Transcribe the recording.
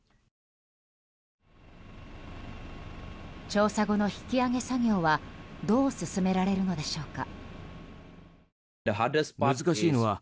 調査後の引き揚げ作業はどう進められるのでしょうか。